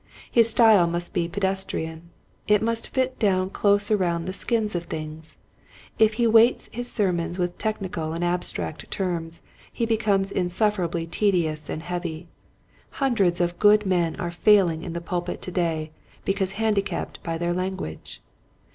His style must be pedestrian. It must fit down close around the skins of things. If he weights his sermons with technical and abstract terms he becomes insufferably tedious and heavy. Hundreds of good men are failing in the pulpit to day because handicapped by their language.